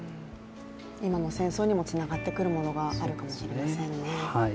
今の戦争にもつながってくるものがあるかもしれませんね。